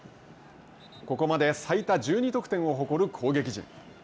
ここまで最多１２得点を誇る攻撃陣。